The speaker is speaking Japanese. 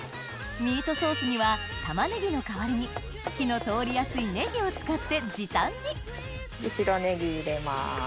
ミートソースには玉ねぎの代わりに火の通りやすいネギを使って時短に白ネギ入れます。